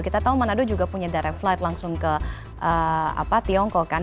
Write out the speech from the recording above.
kita tahu manado juga punya direct flight langsung ke tiongkok kan